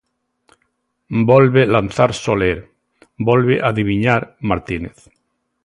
Volve lanzar Soler, volve adiviñar Martínez.